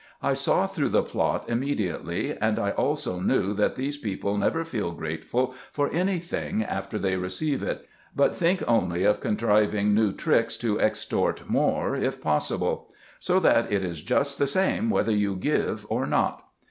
I saw through the plot immediately; and I also knew that these people never feel grateful for any thing after they receive it, but think only of contriving new tricks to extort more, if possible ; so that it is just the same whether you give or not.